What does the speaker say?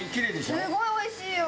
すっごいおいしいよ。